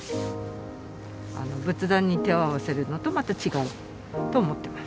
仏壇に手を合わせるのとまた違うと思ってます。